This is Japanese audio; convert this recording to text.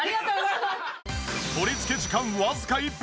取り付け時間わずか１分。